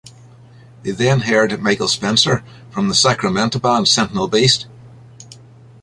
They then hired Michael Spencer from the Sacramento band Sentinel Beast.